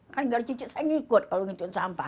kan enggak ada cucu saya ngikut kalau ngikutin sampah